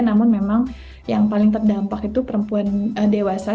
namun memang yang paling terdampak itu perempuan dewasa